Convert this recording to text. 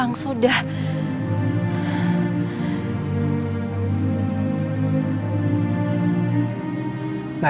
akan ku kirim bisiku bersama angin biarpun malam pucat kedinginan